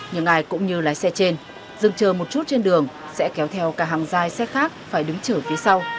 nhưng ai cũng như lái xe trên dừng chờ một chút trên đường sẽ kéo theo cả hàng dài xe khác phải đứng chở phía sau